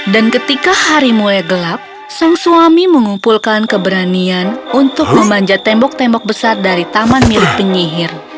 dan ketika hari mulai gelap sang suami mengumpulkan keberanian untuk memanjat tembok tembok besar dari taman milik penyihir